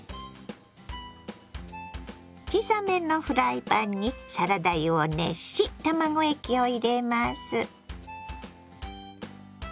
小さめのフライパンにサラダ油を熱し卵液を入れます。